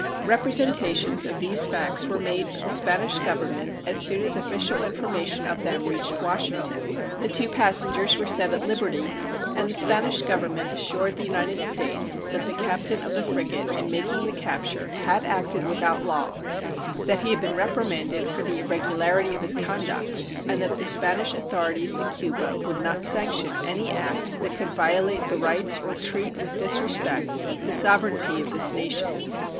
Representations of these facts were made to the Spanish Government as soon as official information of them reached Washington. The two passengers were set at liberty, and the Spanish Government assured the United States that the captain of the frigate in making the capture had acted without law, that he had been reprimanded for the irregularity of his conduct, and that the Spanish authorities in Cuba would not sanction any act that could violate the rights or treat with disrespect the sovereignty of this nation.